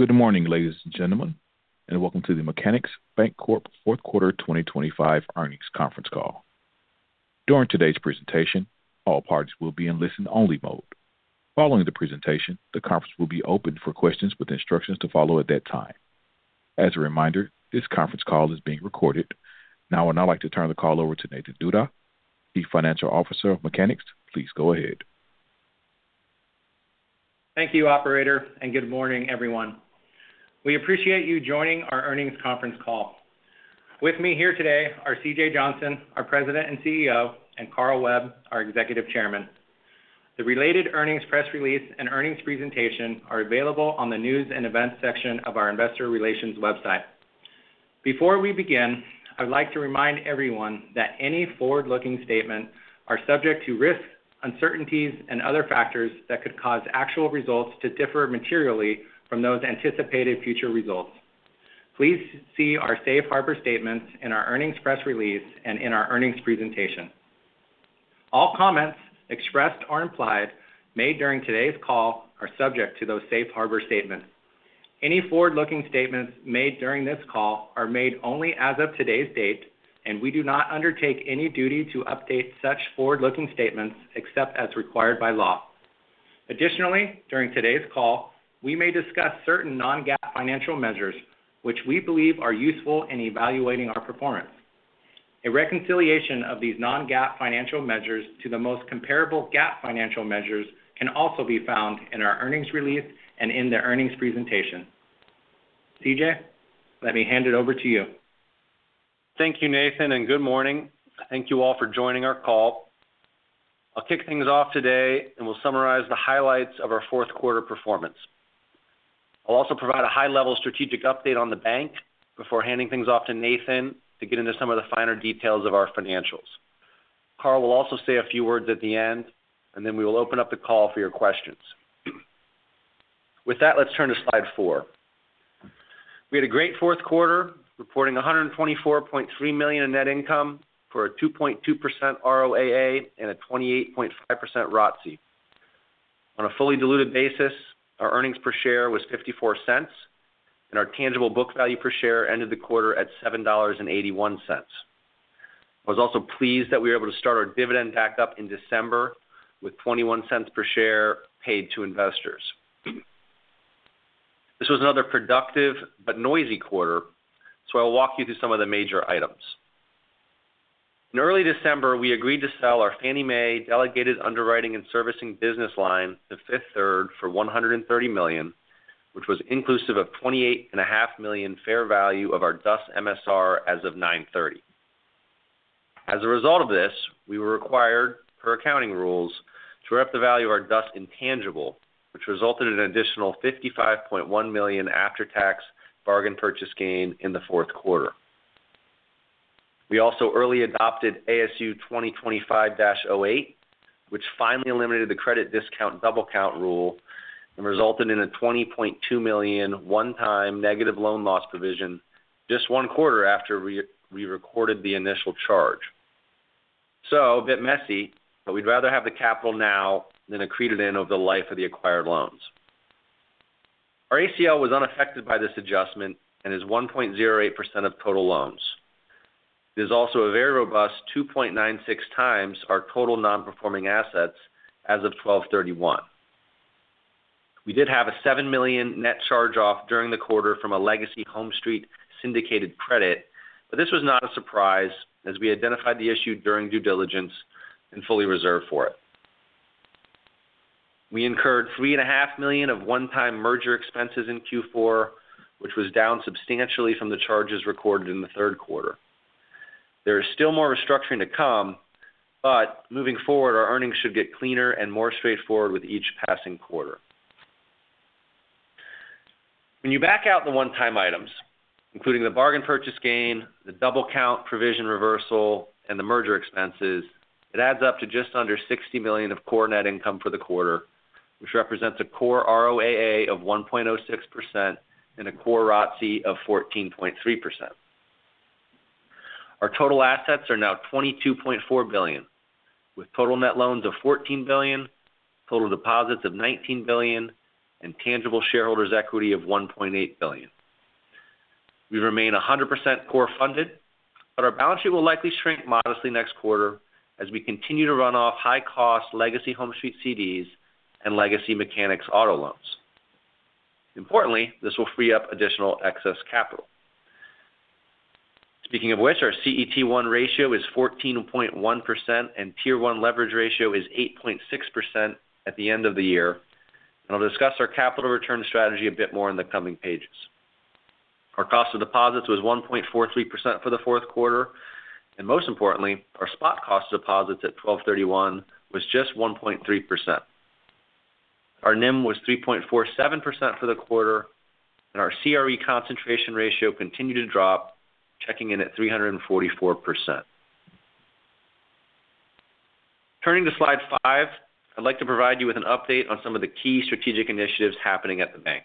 Good morning, ladies and gentlemen, and welcome to the Mechanics Bancorp Fourth Quarter 2025 Earnings Conference Call. During today's presentation, all parties will be in listen-only mode. Following the presentation, the conference will be opened for questions with instructions to follow at that time. As a reminder, this conference call is being recorded. Now, I would like to turn the call over to Nathan Duda, Chief Financial Officer of Mechanics. Please go ahead. Thank you, operator, and good morning, everyone. We appreciate you joining our earnings conference call. With me here today are C.J. Johnson, our President and CEO, and Carl Webb, our Executive Chairman. The related earnings press release and earnings presentation are available on the News and Events section of our Investor Relations website. Before we begin, I'd like to remind everyone that any forward-looking statements are subject to risks, uncertainties, and other factors that could cause actual results to differ materially from those anticipated future results. Please see our safe harbor statements in our earnings press release and in our earnings presentation. All comments expressed or implied made during today's call are subject to those safe harbor statements. Any forward-looking statements made during this call are made only as of today's date, and we do not undertake any duty to update such forward-looking statements except as required by law. Additionally, during today's call, we may discuss certain non-GAAP financial measures which we believe are useful in evaluating our performance. A reconciliation of these non-GAAP financial measures to the most comparable GAAP financial measures can also be found in our earnings release and in the earnings presentation. C.J., let me hand it over to you. Thank you, Nathan, and good morning. Thank you all for joining our call. I'll kick things off today, and we'll summarize the highlights of our fourth quarter performance. I'll also provide a high-level strategic update on the bank before handing things off to Nathan to get into some of the finer details of our financials. Carl will also say a few words at the end, and then we will open up the call for your questions. With that, let's turn to slide four. We had a great fourth quarter, reporting $124.3 million in net income for a 2.2% ROAA and a 28.5% ROTCE. On a fully diluted basis, our earnings per share was $0.54, and our tangible book value per share ended the quarter at $7.81. I was also pleased that we were able to start our dividend back up in December with $0.21 per share paid to investors. This was another productive but noisy quarter, so I'll walk you through some of the major items. In early December, we agreed to sell our Fannie Mae Delegated Underwriting and Servicing business line to Fifth Third for $130 million, which was inclusive of $28.5 million fair value of our DUS MSR as of 9/30. As a result of this, we were required, per accounting rules, to write up the value of our DUS intangible, which resulted in an additional $55.1 million after-tax bargain purchase gain in the fourth quarter. We also early adopted ASU 2025-08, which finally eliminated the credit discount double-count rule and resulted in a $20.2 million one-time negative loan loss provision just one quarter after we recorded the initial charge. So a bit messy, but we'd rather have the capital now than accreted in over the life of the acquired loans. Our ACL was unaffected by this adjustment and is 1.08% of total loans. There's also a very robust 2.96x our total non-performing assets as of 12/31. We did have a $7 million net charge-off during the quarter from a legacy HomeStreet syndicated credit, but this was not a surprise as we identified the issue during due diligence and fully reserved for it. We incurred $3.5 million of one-time merger expenses in Q4, which was down substantially from the charges recorded in the third quarter. There is still more restructuring to come, but moving forward, our earnings should get cleaner and more straightforward with each passing quarter. When you back out the one-time items, including the bargain purchase gain, the double count provision reversal, and the merger expenses, it adds up to just under $60 million of core net income for the quarter, which represents a core ROAA of 1.06% and a core ROTCE of 14.3%. Our total assets are now $22.4 billion, with total net loans of $14 billion, total deposits of $19 billion, and tangible shareholders equity of $1.8 billion. We remain 100% core funded, but our balance sheet will likely shrink modestly next quarter as we continue to run off high-cost legacy HomeStreet CDs and legacy Mechanics auto loans. Importantly, this will free up additional excess capital. Speaking of which, our CET1 ratio is 14.1%, and Tier 1 leverage ratio is 8.6% at the end of the year. And I'll discuss our capital return strategy a bit more in the coming pages. Our cost of deposits was 1.43% for the fourth quarter, and most importantly, our spot cost deposits at 12/31 was just 1.3%. Our NIM was 3.47% for the quarter, and our CRE concentration ratio continued to drop, checking in at 344%. Turning to slide five, I'd like to provide you with an update on some of the key strategic initiatives happening at the bank.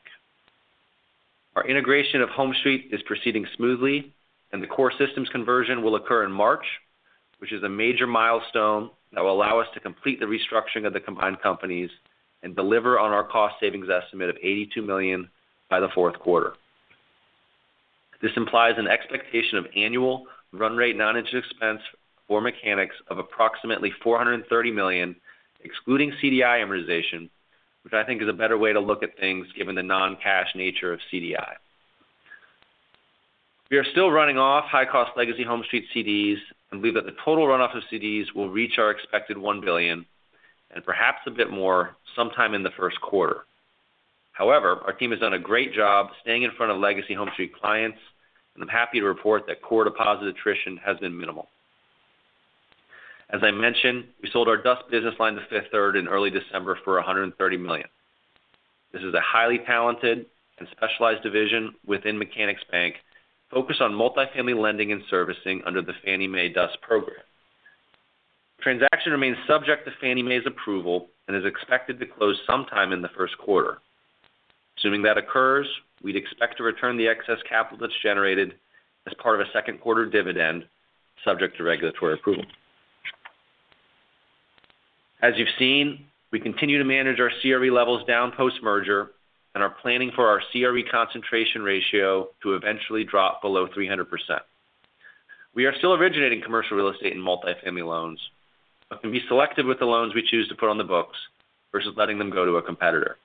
Our integration of HomeStreet is proceeding smoothly, and the core systems conversion will occur in March, which is a major milestone that will allow us to complete the restructuring of the combined companies and deliver on our cost savings estimate of $82 million by the fourth quarter. This implies an expectation of annual run rate non-interest expense for Mechanics of approximately $430 million, excluding CDI amortization, which I think is a better way to look at things, given the non-cash nature of CDI. We are still running off high-cost legacy HomeStreet CDs and believe that the total run-off of CDs will reach our expected $1 billion, and perhaps a bit more, sometime in the first quarter. However, our team has done a great job staying in front of legacy HomeStreet clients, and I'm happy to report that core deposit attrition has been minimal. As I mentioned, we sold our DUS business line to Fifth Third in early December for $130 million. This is a highly talented and specialized division within Mechanics Bank, focused on multifamily lending and servicing under the Fannie Mae DUS program. Transaction remains subject to Fannie Mae's approval and is expected to close sometime in the first quarter. Assuming that occurs, we'd expect to return the excess capital that's generated as part of a second quarter dividend, subject to regulatory approval. As you've seen, we continue to manage our CRE levels down post-merger and are planning for our CRE concentration ratio to eventually drop below 300%. We are still originating commercial real estate and multifamily loans, but can be selective with the loans we choose to put on the books versus letting them go to a competitor.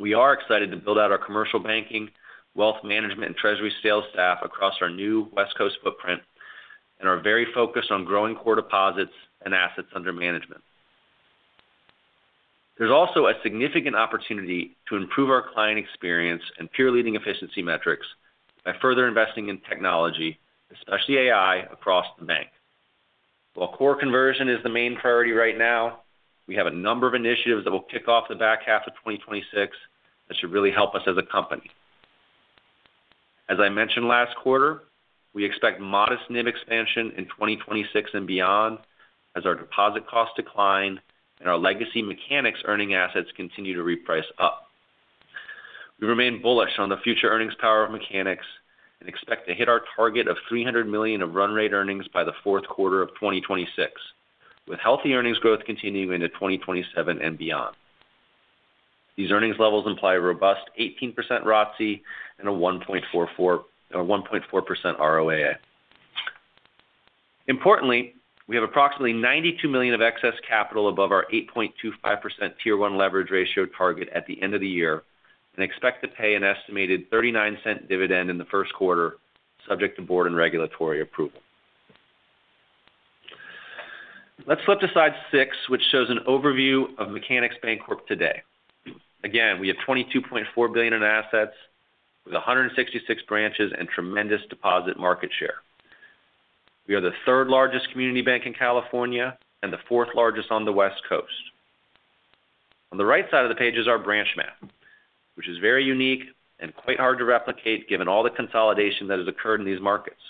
We are excited to build out our commercial banking, wealth management, treasury sales staff across our new West Coast footprint, and are very focused on growing core deposits and assets under management. There's also a significant opportunity to improve our client experience and peer-leading efficiency metrics by further investing in technology, especially AI, across the bank. While core conversion is the main priority right now, we have a number of initiatives that will kick off the back half of 2026 that should really help us as a company. As I mentioned last quarter, we expect modest NIM expansion in 2026 and beyond, as our deposit costs decline and our legacy Mechanics earning assets continue to reprice up. We remain bullish on the future earnings power of Mechanics and expect to hit our target of $300 million of run rate earnings by the fourth quarter of 2026, with healthy earnings growth continuing into 2027 and beyond. These earnings levels imply a robust 18% ROTCE and a 1.44% ROAA. Importantly, we have approximately $92 million of excess capital above our 8.25% Tier 1 leverage ratio target at the end of the year, and expect to pay an estimated $0.39 dividend in the first quarter, subject to board and regulatory approval. Let's flip to slide six, which shows an overview of Mechanics Bancorp today. Again, we have $22.4 billion in assets, with 166 branches and tremendous deposit market share. We are the third-largest community bank in California and the fourth-largest on the West Coast. On the right side of the page is our branch map, which is very unique and quite hard to replicate, given all the consolidation that has occurred in these markets.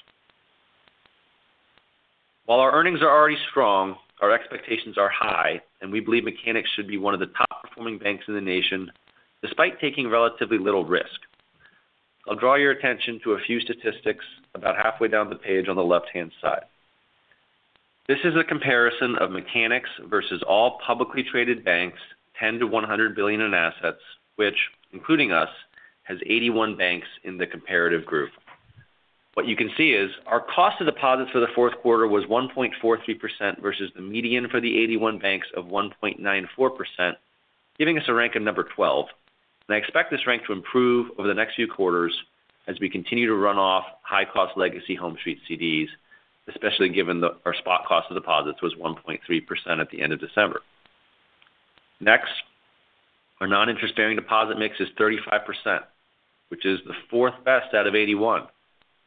While our earnings are already strong, our expectations are high, and we believe Mechanics should be one of the top-performing banks in the nation, despite taking relatively little risk. I'll draw your attention to a few statistics about halfway down the page on the left-hand side. This is a comparison of Mechanics versus all publicly traded banks, $10 billion-$100 billion in assets, which, including us, has 81 banks in the comparative group. What you can see is our cost of deposits for the fourth quarter was 1.43% versus the median for the 81 banks of 1.94%, giving us a rank of 12. I expect this rank to improve over the next few quarters as we continue to run off high-cost legacy HomeStreet CDs, especially given the, our spot cost of deposits was 1.3% at the end of December. Next, our non-interest-bearing deposit mix is 35%, which is the fourth best out of 81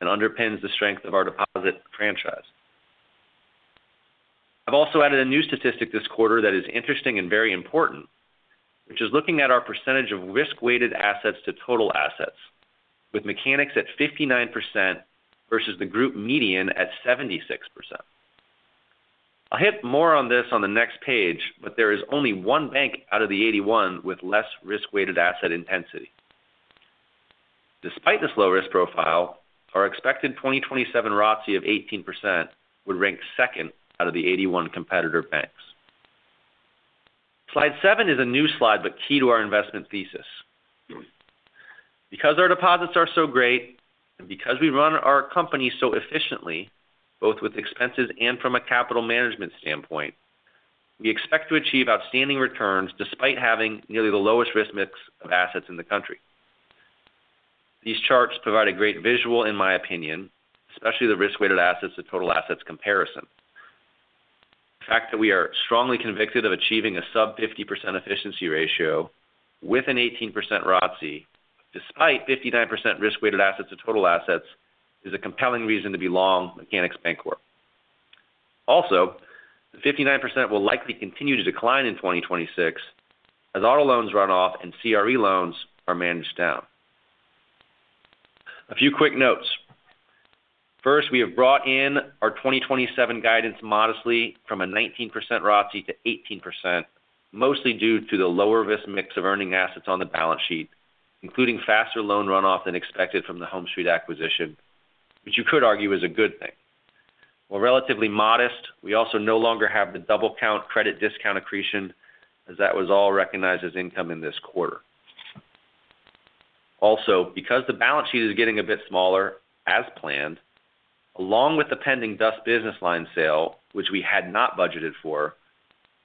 and underpins the strength of our deposit franchise. I've also added a new statistic this quarter that is interesting and very important, which is looking at our percentage of risk-weighted assets to total assets, with Mechanics at 59% versus the group median at 76%. I'll hit more on this on the next page, but there is only one bank out of the 81 with less risk-weighted asset intensity. Despite this low risk profile, our expected 2027 ROTCE of 18% would rank second out of the 81 competitor banks. Slide seven is a new slide, but key to our investment thesis. Because our deposits are so great and because we run our company so efficiently, both with expenses and from a capital management standpoint, we expect to achieve outstanding returns despite having nearly the lowest risk mix of assets in the country. These charts provide a great visual, in my opinion, especially the risk-weighted assets to total assets comparison. The fact that we are strongly convicted of achieving a sub 50% efficiency ratio with an 18% ROTCE, despite 59% risk-weighted assets to total assets, is a compelling reason to be long Mechanics Bancorp. Also, the 59% will likely continue to decline in 2026 as auto loans run off and CRE loans are managed down. A few quick notes. First, we have brought in our 2027 guidance modestly from a 19% ROTCE to 18%, mostly due to the lower risk mix of earning assets on the balance sheet, including faster loan runoff than expected from the HomeStreet acquisition, which you could argue is a good thing. While relatively modest, we also no longer have the double count credit discount accretion, as that was all recognized as income in this quarter. Also, because the balance sheet is getting a bit smaller, as planned, along with the pending DUS Business Line sale, which we had not budgeted for,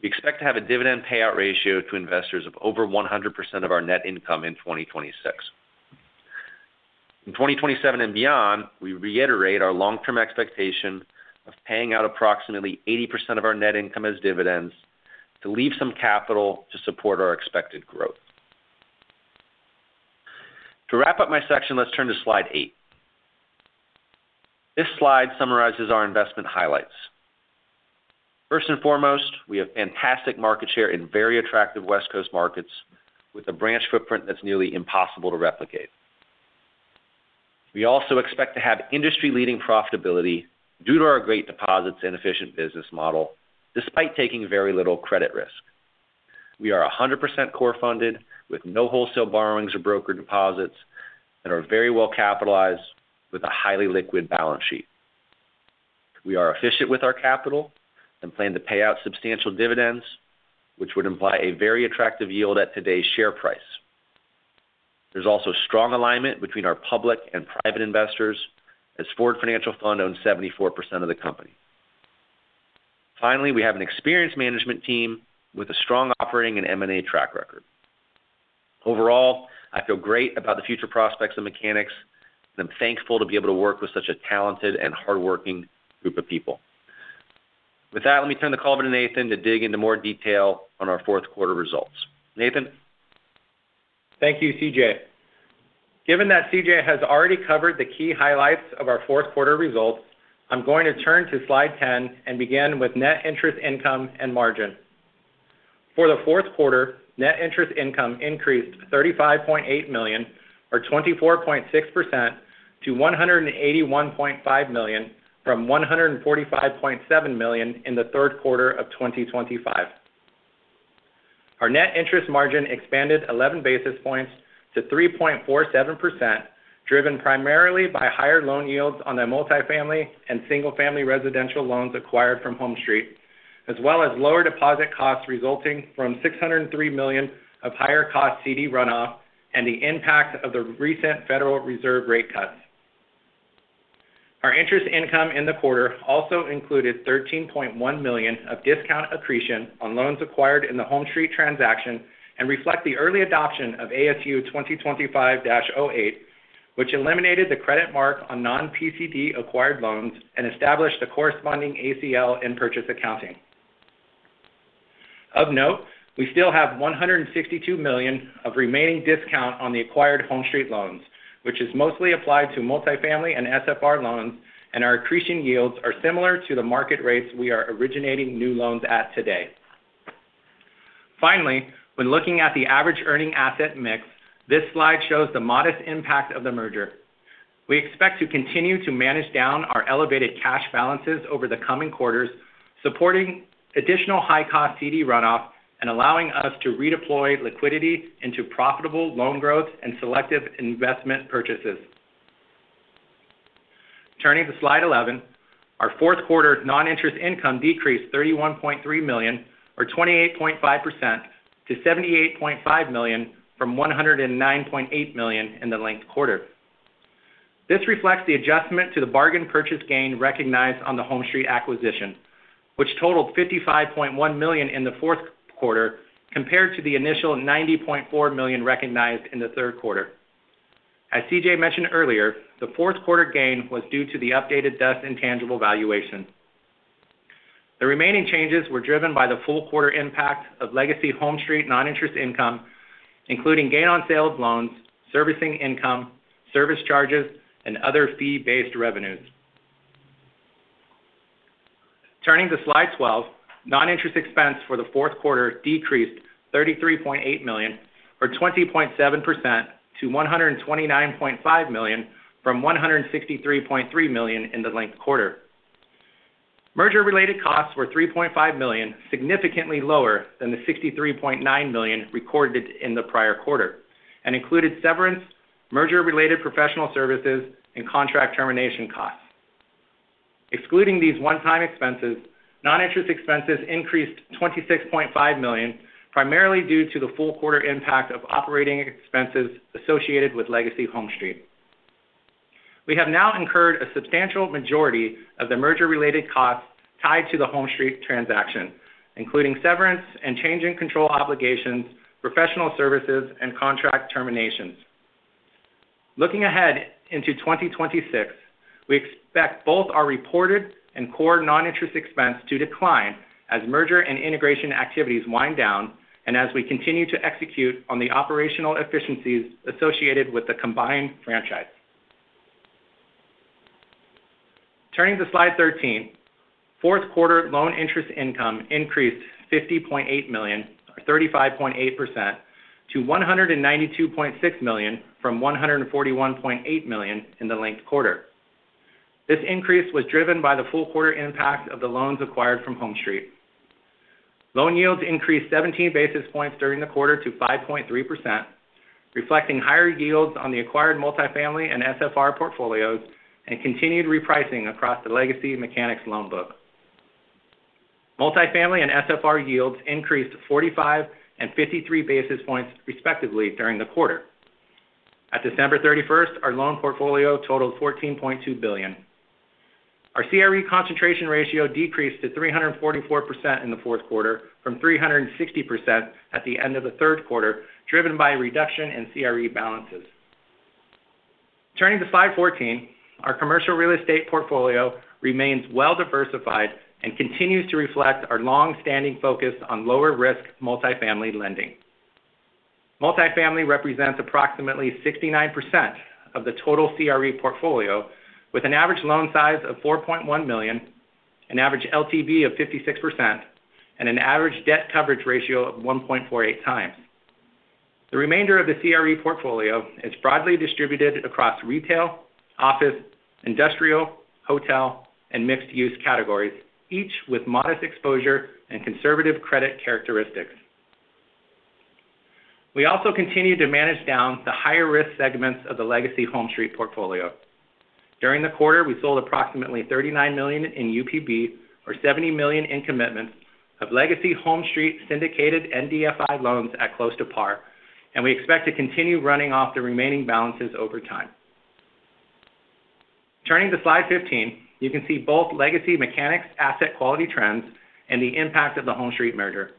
we expect to have a dividend payout ratio to investors of over 100% of our net income in 2026. In 2027 and beyond, we reiterate our long-term expectation of paying out approximately 80% of our net income as dividends to leave some capital to support our expected growth. To wrap up my section, let's turn to slide eight. This slide summarizes our investment highlights. First and foremost, we have fantastic market share in very attractive West Coast markets, with a branch footprint that's nearly impossible to replicate. We also expect to have industry-leading profitability due to our great deposits and efficient business model, despite taking very little credit risk. We are 100% core funded, with no wholesale borrowings or broker deposits, and are very well capitalized with a highly liquid balance sheet. We are efficient with our capital and plan to pay out substantial dividends, which would imply a very attractive yield at today's share price. There's also strong alignment between our public and private investors, as Ford Financial Fund owns 74% of the company. Finally, we have an experienced management team with a strong operating and M&A track record. Overall, I feel great about the future prospects of Mechanics, and I'm thankful to be able to work with such a talented and hardworking group of people. With that, let me turn the call over to Nathan to dig into more detail on our fourth quarter results. Nathan? Thank you, C.J. Given that C.J. has already covered the key highlights of our fourth quarter results, I'm going to turn to slide 10 and begin with net interest income and margin. For the fourth quarter, net interest income increased $35.8 million, or 24.6%, to $181.5 million, from $145.7 million in the third quarter of 2025. Our net interest margin expanded 11 basis points to 3.47%, driven primarily by higher loan yields on the multifamily and single-family residential loans acquired from HomeStreet, as well as lower deposit costs resulting from $603 million of higher cost CD runoff and the impact of the recent Federal Reserve rate cuts. Our interest income in the quarter also included $13.1 million of discount accretion on loans acquired in the HomeStreet transaction and reflect the early adoption of ASU 2025-08, which eliminated the credit mark on non-PCD acquired loans and established a corresponding ACL in purchase accounting. Of note, we still have $162 million of remaining discount on the acquired HomeStreet loans, which is mostly applied to multifamily and SFR loans, and our accretion yields are similar to the market rates we are originating new loans at today. Finally, when looking at the average earning asset mix, this slide shows the modest impact of the merger. We expect to continue to manage down our elevated cash balances over the coming quarters, supporting additional high-cost CD runoff and allowing us to redeploy liquidity into profitable loan growth and selective investment purchases. Turning to slide 11, our fourth quarter non-interest income decreased $31.3 million, or 28.5%, to $78.5 million from $109.8 million in the linked quarter. This reflects the adjustment to the bargain purchase gain recognized on the HomeStreet acquisition, which totaled $55.1 million in the fourth quarter, compared to the initial $90.4 million recognized in the third quarter. As C.J. mentioned earlier, the fourth quarter gain was due to the updated DUS intangible valuation. The remaining changes were driven by the full quarter impact of legacy HomeStreet non-interest income, including gain on sale of loans, servicing income, service charges, and other fee-based revenues. Turning to slide 12, non-interest expense for the fourth quarter decreased $33.8 million, or 20.7%, to $129.5 million from $163.3 million in the linked quarter. Merger-related costs were $3.5 million, significantly lower than the $63.9 million recorded in the prior quarter, and included severance, merger-related professional services, and contract termination costs. Excluding these one-time expenses, non-interest expenses increased $26.5 million, primarily due to the full quarter impact of operating expenses associated with legacy HomeStreet. We have now incurred a substantial majority of the merger-related costs tied to the HomeStreet transaction, including severance and change in control obligations, professional services, and contract terminations. Looking ahead into 2026, we expect both our reported and core non-interest expense to decline as merger and integration activities wind down and as we continue to execute on the operational efficiencies associated with the combined franchise. Turning to slide 13. Fourth quarter loan interest income increased $50.8 million, or 35.8%, to $192.6 million from $141.8 million in the linked quarter. This increase was driven by the full quarter impact of the loans acquired from HomeStreet. Loan yields increased 17 basis points during the quarter to 5.3%, reflecting higher yields on the acquired multifamily and SFR portfolios and continued repricing across the legacy Mechanics loan book. Multifamily and SFR yields increased 45 and 53 basis points, respectively, during the quarter. At December 31, our loan portfolio totaled $14.2 billion. Our CRE concentration ratio decreased to 344% in the fourth quarter from 360% at the end of the third quarter, driven by a reduction in CRE balances. Turning to slide 14, our commercial real estate portfolio remains well-diversified and continues to reflect our long-standing focus on lower-risk multifamily lending. Multifamily represents approximately 69% of the total CRE portfolio, with an average loan size of $4.1 million, an average LTV of 56%, and an average debt coverage ratio of 1.48x. The remainder of the CRE portfolio is broadly distributed across retail, office, industrial, hotel, and mixed-use categories, each with modest exposure and conservative credit characteristics. We also continue to manage down the higher-risk segments of the legacy HomeStreet portfolio. During the quarter, we sold approximately $39 million in UPB or $70 million in commitments of legacy HomeStreet syndicated and C&I loans at close to par, and we expect to continue running off the remaining balances over time. Turning to slide 15, you can see both legacy Mechanics asset quality trends and the impact of the HomeStreet merger.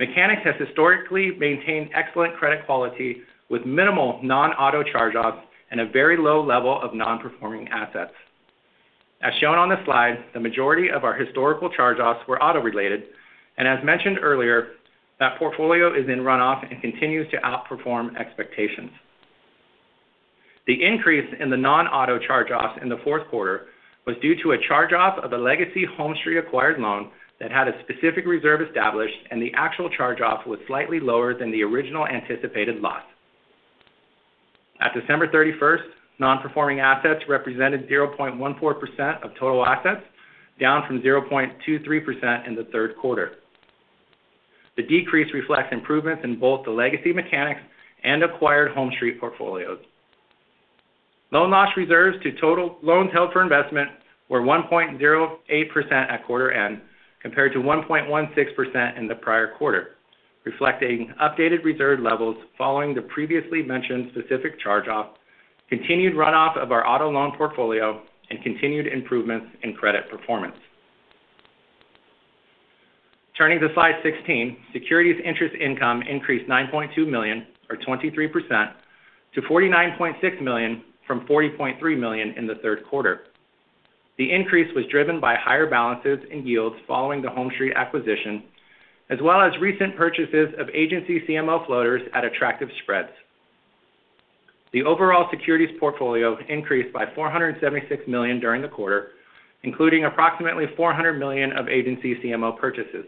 Mechanics has historically maintained excellent credit quality with minimal non-auto charge-offs and a very low level of nonperforming assets. As shown on the slide, the majority of our historical charge-offs were auto-related, and as mentioned earlier, that portfolio is in runoff and continues to outperform expectations. The increase in the non-auto charge-offs in the fourth quarter was due to a charge-off of a legacy HomeStreet-acquired loan that had a specific reserve established, and the actual charge-off was slightly lower than the original anticipated loss. At December 31, nonperforming assets represented 0.14% of total assets, down from 0.23% in the third quarter. The decrease reflects improvements in both the legacy Mechanics and acquired HomeStreet portfolios. Loan loss reserves to total loans held for investment were 1.08% at quarter end, compared to 1.16% in the prior quarter, reflecting updated reserve levels following the previously mentioned specific charge-off, continued runoff of our auto loan portfolio, and continued improvements in credit performance. Turning to slide 16, securities interest income increased $9.2 million, or 23%, to $49.6 million from $40.3 million in the third quarter. The increase was driven by higher balances and yields following the HomeStreet acquisition, as well as recent purchases of Agency CMO floaters at attractive spreads. The overall securities portfolio increased by $476 million during the quarter, including approximately $400 million of agency CMO purchases.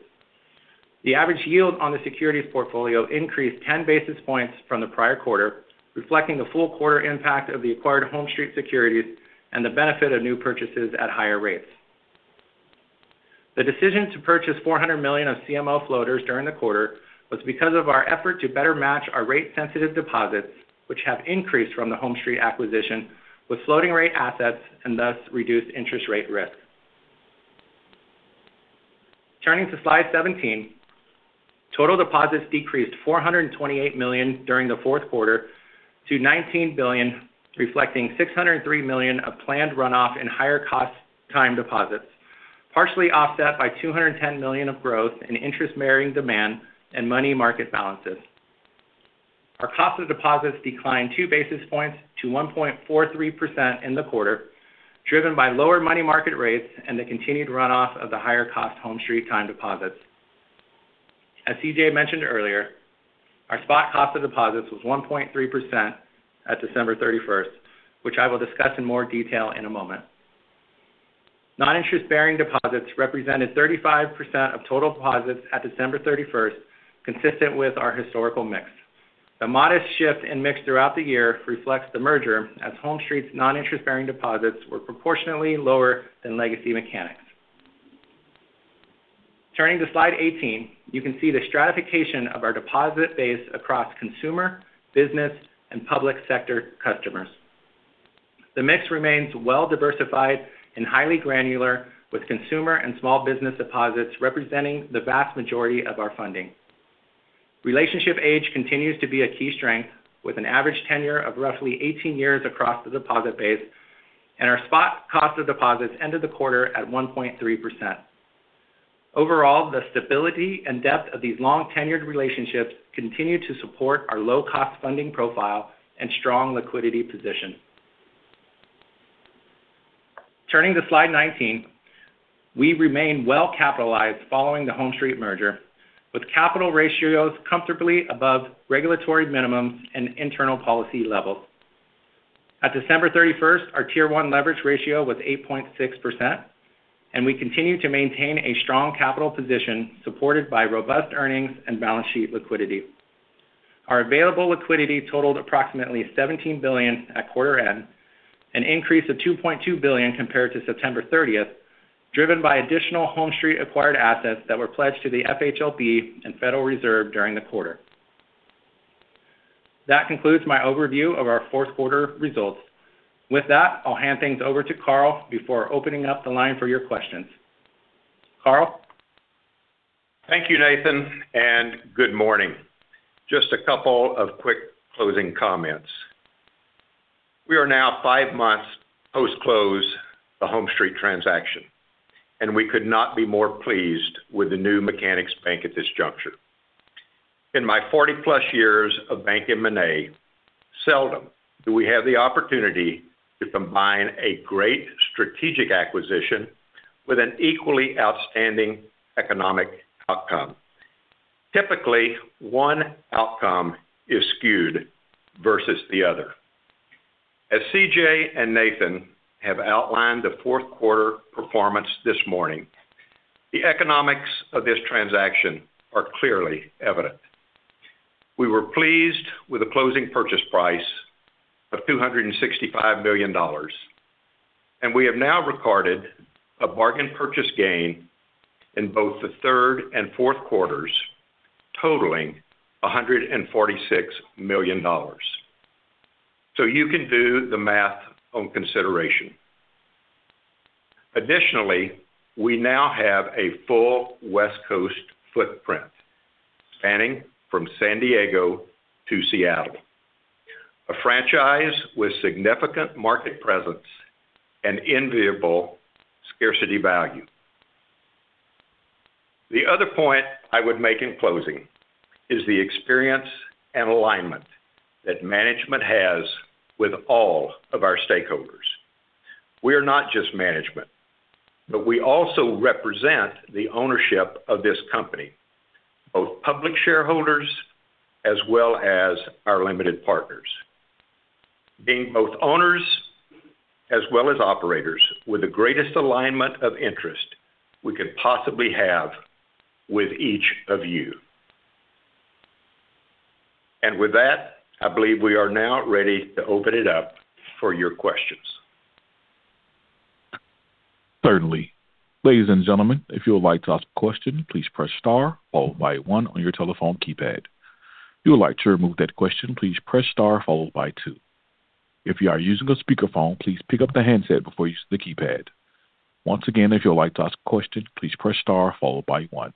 The average yield on the securities portfolio increased 10 basis points from the prior quarter, reflecting the full quarter impact of the acquired HomeStreet securities and the benefit of new purchases at higher rates. The decision to purchase $400 million of CMO floaters during the quarter was because of our effort to better match our rate-sensitive deposits, which have increased from the HomeStreet acquisition, with floating rate assets and thus reduced interest rate risk. Turning to slide 17, total deposits decreased $428 million during the fourth quarter to $19 billion, reflecting $603 million of planned runoff and higher cost time deposits, partially offset by $210 million of growth in interest-bearing demand and money market balances. Our cost of deposits declined 2 basis points to 1.43% in the quarter, driven by lower money market rates and the continued runoff of the higher-cost HomeStreet time deposits. As C.J. mentioned earlier, our spot cost of deposits was 1.3% at December 31st, which I will discuss in more detail in a moment. Non-interest-bearing deposits represented 35% of total deposits at December 31st, consistent with our historical mix. The modest shift in mix throughout the year reflects the merger, as HomeStreet's non-interest-bearing deposits were proportionately lower than legacy Mechanics. Turning to slide 18, you can see the stratification of our deposit base across consumer, business, and public sector customers. The mix remains well-diversified and highly granular, with consumer and small business deposits representing the vast majority of our funding. Relationship age continues to be a key strength, with an average tenure of roughly 18 years across the deposit base, and our spot cost of deposits ended the quarter at 1.3%. Overall, the stability and depth of these long-tenured relationships continue to support our low-cost funding profile and strong liquidity position. Turning to slide 19, we remain well-capitalized following the HomeStreet merger, with capital ratios comfortably above regulatory minimums and internal policy levels. At December 31st, our Tier 1 leverage ratio was 8.6%, and we continue to maintain a strong capital position, supported by robust earnings and balance sheet liquidity. Our available liquidity totaled approximately $17 billion at quarter end, an increase of $2.2 billion compared to September 30th, driven by additional HomeStreet-acquired assets that were pledged to the FHLB and Federal Reserve during the quarter. That concludes my overview of our fourth quarter results. With that, I'll hand things over to Carl before opening up the line for your questions. Carl? Thank you, Nathan, and good morning. Just a couple of quick closing comments. We are now five months post-close the HomeStreet transaction, and we could not be more pleased with the new Mechanics Bank at this juncture. In my 40+ years of banking, you know, seldom do we have the opportunity to combine a great strategic acquisition with an equally outstanding economic outcome. Typically, one outcome is skewed versus the other. As C.J. and Nathan have outlined the fourth quarter performance this morning, the economics of this transaction are clearly evident. We were pleased with a closing purchase price of $265 million, and we have now recorded a bargain purchase gain in both the third and fourth quarters, totaling $146 million. So you can do the math on consideration. Additionally, we now have a full West Coast footprint, spanning from San Diego to Seattle, a franchise with significant market presence and enviable scarcity value. The other point I would make in closing is the experience and alignment that management has with all of our stakeholders. We are not just management, but we also represent the ownership of this company, both public shareholders as well as our limited partners, being both owners as well as operators with the greatest alignment of interest we could possibly have with each of you. With that, I believe we are now ready to open it up for your questions. Certainly. Ladies and gentlemen, if you would like to ask a question, please press star, followed by one on your telephone keypad. If you would like to remove that question, please press star followed by two. If you are using a speakerphone, please pick up the handset before using the keypad. Once again, if you would like to ask a question, please press star followed by one.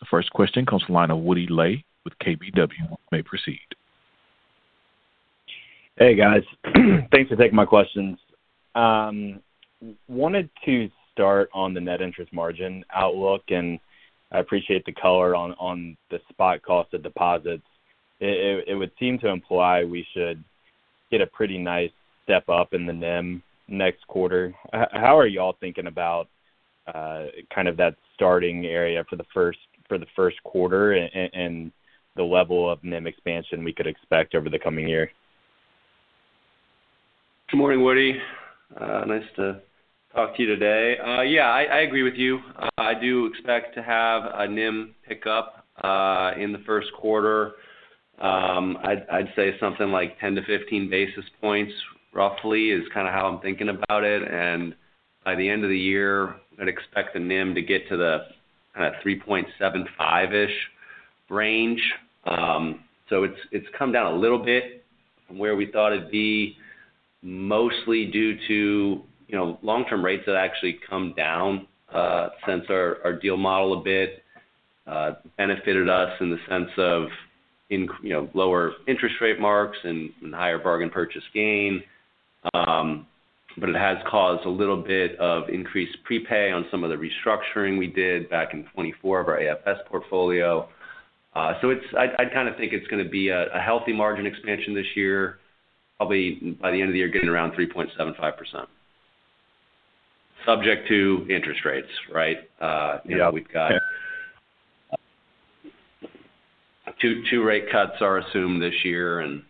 The first question comes from the line of Woody Lay with KBW. You may proceed. Hey, guys. Thanks for taking my questions. Wanted to start on the net interest margin outlook, and I appreciate the color on the spot cost of deposits. It would seem to imply we should get a pretty nice step up in the NIM next quarter. How are you all thinking about kind of that starting area for the first quarter and the level of NIM expansion we could expect over the coming year? Good morning, Woody. Nice to talk to you today. Yeah, I agree with you. I do expect to have a NIM pickup in the first quarter. I'd say something like 10-15 basis points roughly is kind of how I'm thinking about it. And by the end of the year, I'd expect the NIM to get to the 3.75-ish range. So it's come down a little bit from where we thought it'd be, mostly due to, you know, long-term rates that actually come down since our deal model a bit benefited us in the sense of you know, lower interest rate marks and higher bargain purchase gain. But it has caused a little bit of increased prepay on some of the restructuring we did back in 2024 of our AFS portfolio. So, I kind of think it's going to be a healthy margin expansion this year, probably by the end of the year, getting around 3.75%, subject to interest rates, right? You know, we've got- Yeah. 2 rate cuts are assumed this year, and,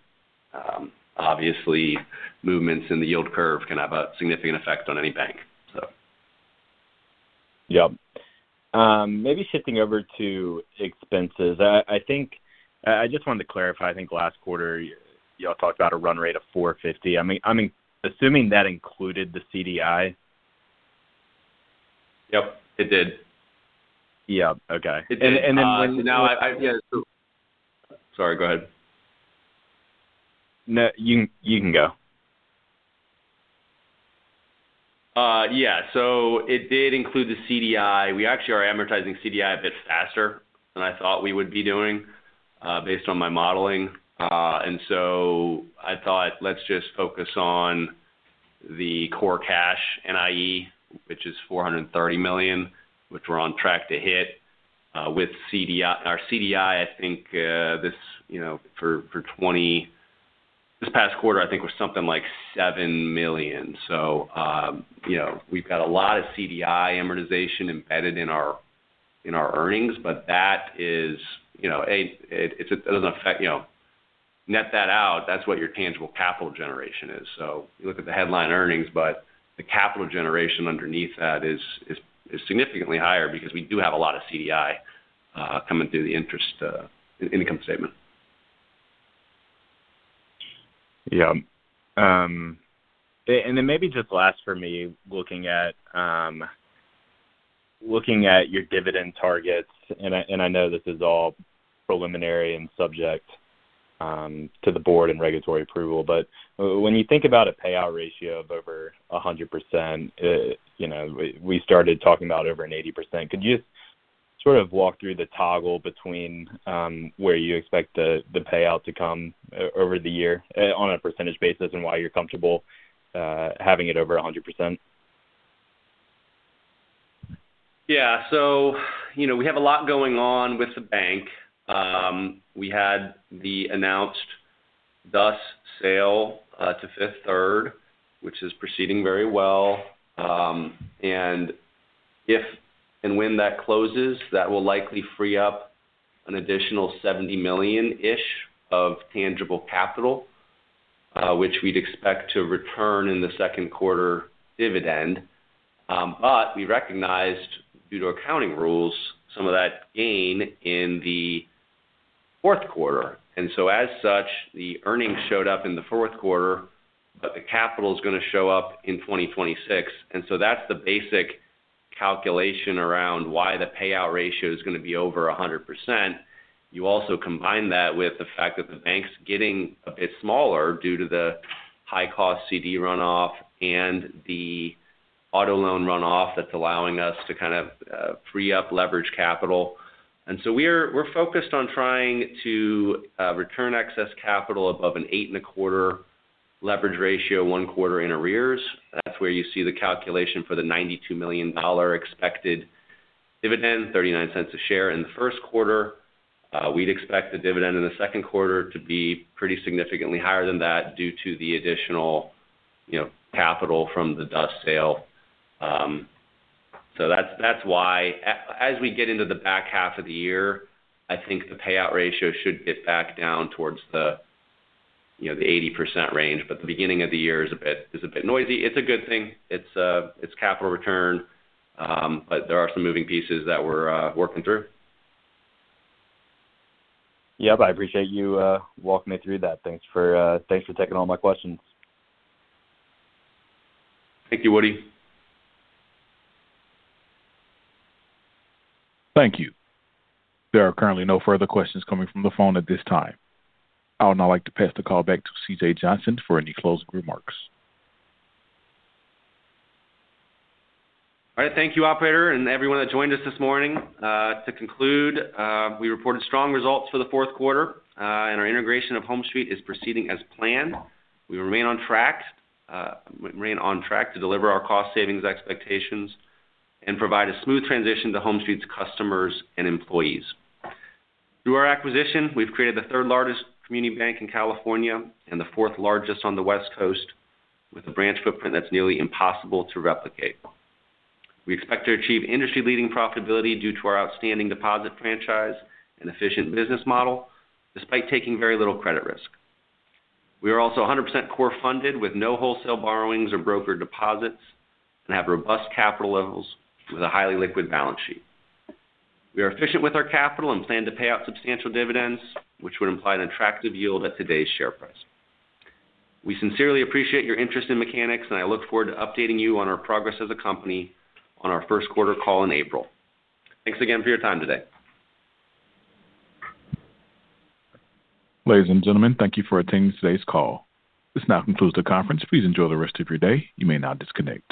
obviously, movements in the yield curve can have a significant effect on any bank, so. Yep. Maybe shifting over to expenses. I think I just wanted to clarify. I think last quarter, you all talked about a run rate of $450. I mean, assuming that included the CDI? Yep, it did. Yeah. Okay. It did. And then- Yeah. Sorry, go ahead. No, you can go. Yeah. So it did include the CDI. We actually are amortizing CDI a bit faster than I thought we would be doing, based on my modeling. And so I thought, let's just focus on the core cash, NIE, which is $430 million, which we're on track to hit, with CDI. Our CDI, I think, this, you know, for this past quarter, I think, was something like $7 million. So, you know, we've got a lot of CDI amortization embedded in our earnings, but that is, you know, it doesn't affect, you know—net that out, that's what your tangible capital generation is. So you look at the headline earnings, but the capital generation underneath that is significantly higher because we do have a lot of CDI coming through the interest income statement. Yeah. And then maybe just last for me, looking at, looking at your dividend targets, and I, and I know this is all preliminary and subject to the board and regulatory approval, but when you think about a payout ratio of over 100%, you know, we, we started talking about over an 80%. Could you sort of walk through the toggle between, where you expect the, the payout to come over the year, on a percentage basis and why you're comfortable, having it over 100%? Yeah. So, you know, we have a lot going on with the bank. We had the announced DUS sale to Fifth Third, which is proceeding very well. And if and when that closes, that will likely free up an additional $70 million-ish of tangible capital, which we'd expect to return in the second quarter dividend. But we recognized, due to accounting rules, some of that gain in the fourth quarter, and so as such, the earnings showed up in the fourth quarter, but the capital is gonna show up in 2026. And so that's the basic calculation around why the payout ratio is gonna be over 100%. You also combine that with the fact that the bank's getting a bit smaller due to the high-cost CD runoff and the auto loan runoff that's allowing us to kind of free up leverage capital. And so we're focused on trying to return excess capital above an 8.25 leverage ratio, one quarter in arrears. That's where you see the calculation for the $92 million expected dividend, $0.39 a share in the first quarter. We'd expect the dividend in the second quarter to be pretty significantly higher than that due to the additional, you know, capital from the DUS sale. So that's why as we get into the back half of the year, I think the payout ratio should get back down towards the, you know, the 80% range, but the beginning of the year is a bit noisy. It's a good thing. It's capital return, but there are some moving pieces that we're working through. Yep, I appreciate you walking me through that. Thanks for taking all my questions. Thank you, Woody. Thank you. There are currently no further questions coming from the phone at this time. I would now like to pass the call back to C.J. Johnson for any closing remarks. All right. Thank you, operator, and everyone that joined us this morning. To conclude, we reported strong results for the fourth quarter, and our integration of HomeStreet is proceeding as planned. We remain on track, we remain on track to deliver our cost savings expectations and provide a smooth transition to HomeStreet's customers and employees. Through our acquisition, we've created the third-largest community bank in California and the fourth largest on the West Coast, with a branch footprint that's nearly impossible to replicate. We expect to achieve industry-leading profitability due to our outstanding deposit franchise and efficient business model, despite taking very little credit risk. We are also 100% core funded, with no wholesale borrowings or broker deposits, and have robust capital levels with a highly liquid balance sheet. We are efficient with our capital and plan to pay out substantial dividends, which would imply an attractive yield at today's share price. We sincerely appreciate your interest in Mechanics, and I look forward to updating you on our progress as a company on our first quarter call in April. Thanks again for your time today. Ladies and gentlemen, thank you for attending today's call. This now concludes the conference. Please enjoy the rest of your day. You may now disconnect.